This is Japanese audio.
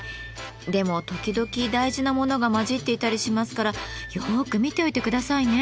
でも時々大事なものが交じっていたりしますからよく見ておいてくださいね。